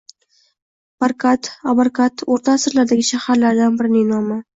Barkad, Abarkad – o‘rta asrdagi shaharlardan birining nomi.